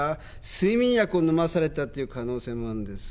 睡眠薬を飲まされたという可能性もあるんです。